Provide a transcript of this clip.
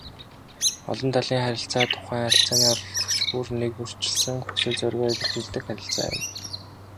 Олон талын харилцаа тухайн харилцааны оролцогч бүр нэгбүрчилсэн хүсэл зоригоо илэрхийлдэг харилцаа юм.